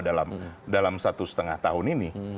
dalam satu setengah tahun ini